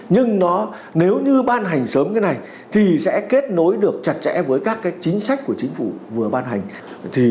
nhưng nếu ban hành sớm như thế này sẽ kết nối được chặt chẽ với các chính sách của chính phủ vừa ban hành